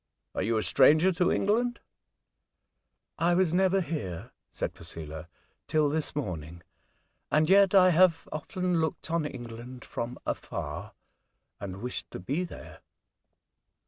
Are you a stranger to England?" " I was never here,*' said Posela, " till this morning; and yet I have often looked on England from afar, and wished to be there.'